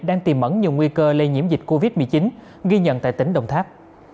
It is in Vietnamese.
đang tìm mẫn nhiều nguy cơ lây nhiễm dịch covid một mươi chín ghi nhận tại tỉnh đồng tháp